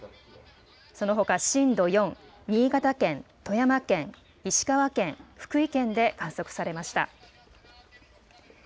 そのほか震度４、新潟県、富山県、石川県、福井県で観測されました。